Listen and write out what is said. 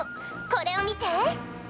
これをみて！